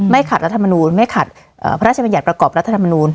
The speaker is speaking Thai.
ขัดรัฐมนูลไม่ขัดพระราชบัญญัติประกอบรัฐธรรมนูล